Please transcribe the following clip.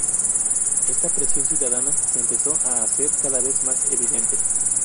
Esta presión ciudadana se empezó a hacer cada vez más evidente.